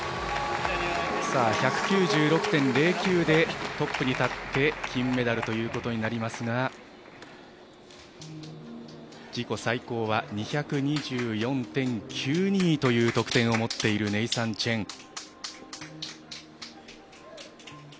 １９６．０９でトップに立って金メダルということになりますが自己最高は２２４．９２という得点を持っているネイサン・チェン。